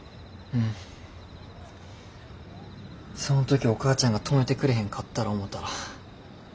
その時お母ちゃんが止めてくれへんかったら思たら。